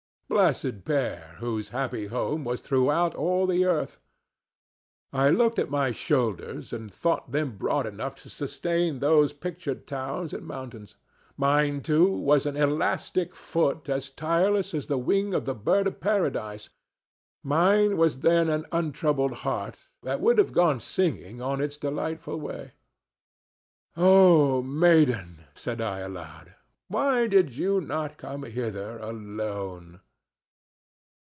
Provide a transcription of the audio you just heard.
Blessed pair, whose happy home was throughout all the earth! I looked at my shoulders, and thought them broad enough to sustain those pictured towns and mountains; mine, too, was an elastic foot as tireless as the wing of the bird of Paradise; mine was then an untroubled heart that would have gone singing on its delightful way. "Oh, maiden," said I aloud, "why did you not come hither alone?"